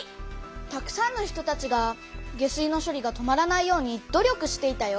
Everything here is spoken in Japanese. たくさんの人たちが下水のしょりが止まらないように努力していたよ。